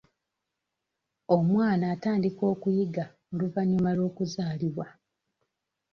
Omwana atandika okuyiga oluvannyuma lw'okuzaalibwa.